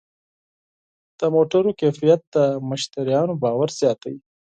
د موټرو کیفیت د مشتریانو باور زیاتوي.